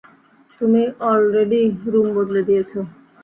তুমি already room বদলে দিয়েছ।